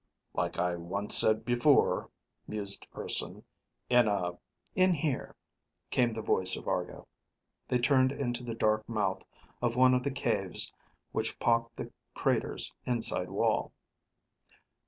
_" "Like I once said before," mused Urson, "In a ..." "In here," came the voice of Argo. They turned into the dark mouth of one of the caves which pocked the crater's inside wall.